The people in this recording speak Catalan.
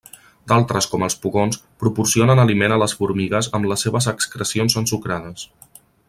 D'altres com els pugons proporcionen aliment a les formigues amb les seves excrecions ensucrades.